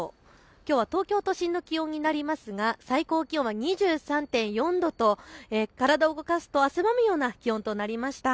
きょうは東京都心の気温になりますが最高気温は２３．４度と体を動かすと汗ばむような気温となりました。